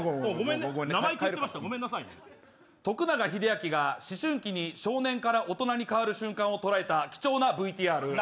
徳永英明が思春期に少年から大人に変わる瞬間を捉えた貴重なＶＴＲ。